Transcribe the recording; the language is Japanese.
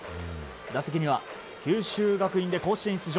打席には九州学院で甲子園出場